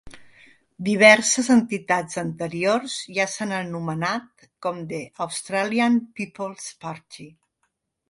Diverses entitats anteriors ja s'han anomenat com "The Australian People's Party".